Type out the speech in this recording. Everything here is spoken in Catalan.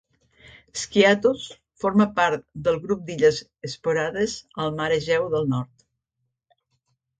Skiathos forma part del grup d'illes Sporades al mar Egeu del Nord.